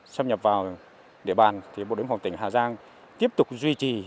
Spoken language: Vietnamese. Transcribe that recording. xâm nhập vào địa bàn bộ đếm phòng tỉnh hà giang tiếp tục duy trì